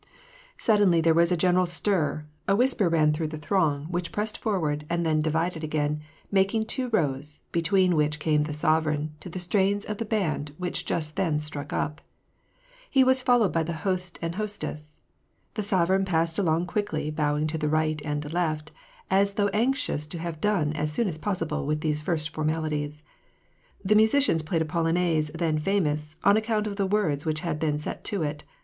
Suddenly there was a general stir : a whisper ran through the throng, which pressed forward and then divided again, making two rows, between which came the sovereign, to the strains of the band which just then struck up. He was fol lowed by the host and hostess. The sovereign passed along quickly, bowing to the right and left, as though anxious to have done as soon as possible with these iirst formalities. The musicians played a Polonaise then famous, on account of the words which had been set to it.